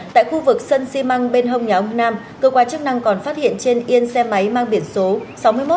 tại khu vực sân xi măng bên hông nhà ông nam cơ quan chức năng còn phát hiện trên yên xe máy mang biển số